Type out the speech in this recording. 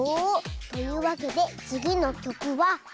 というわけでつぎのきょくは「さあ！」。